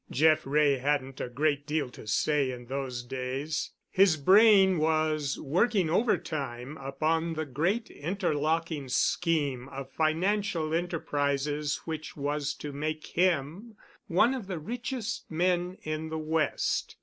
Jeff Wray hadn't a great deal to say in those days. His brain was working overtime upon the great interlocking scheme of financial enterprises which was to make him one of the richest men in the West.